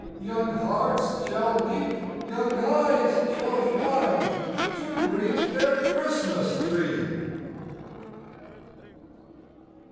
Young hearts shall leap, young eyes shall shine To greet their Christmas tree!"